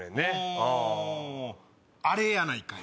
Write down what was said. ほぉあれやないかい。